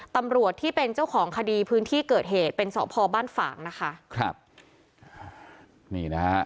ตำรวจที่เป็นเจ้าของคดีพื้นที่เกิดเหตุเป็นสพบ้านฝ่างนะคะครับนี่นะฮะ